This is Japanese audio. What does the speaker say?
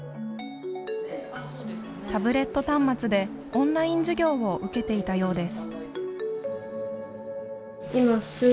タブレット端末でオンライン授業を受けていたようです。